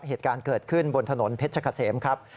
เหตุการณ์เกิดขึ้นบนถนนเพชรเกษมครับ